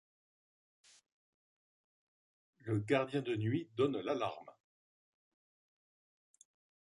Le gardien de nuit donne l'alarme.